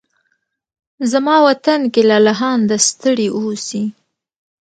زما وطن کې لالهانده ستړي اوسې